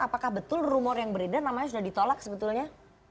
apakah betul rumor yang beredar namanya sudah ditolak sebetulnya